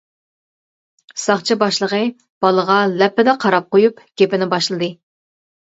ساقچى باشلىقى بالىغا لەپپىدە قاراپ قويۇپ گېپىنى باشلىدى.